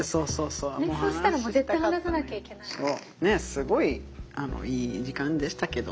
「すごいいい時間でしたけど」